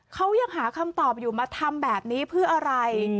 เขายังหาคำตอบอยู่มาทำแบบนี้เพื่ออะไร